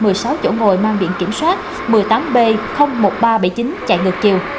vụ tai nạn là do lái xe tải ba năm tấn mang biển kiểm soát một mươi tám b một nghìn ba trăm bảy mươi chín chạy ngược chiều